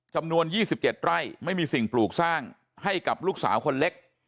จำนวน๒๗ไร่ไม่มีสิ่งปลูกสร้างให้กับลูกสาวคนเล็ก